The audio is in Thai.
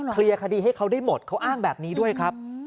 เคลียร์คดีให้เขาได้หมดเขาอ้างแบบนี้ด้วยครับ